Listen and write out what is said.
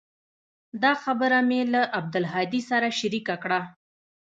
دا خبره مې له عبدالهادي سره شريکه کړه.